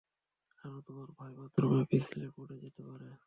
কারণ তোমার ভাই বাথরুমে পিছলে পড়ে যেতে পারে।